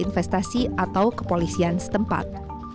investasi atau kepolisian setempat